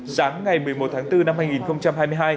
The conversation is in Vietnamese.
giáng ngày một mươi một tháng bốn năm hai nghìn